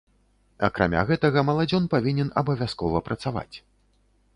Акрамя гэтага, маладзён павінен абавязкова працаваць.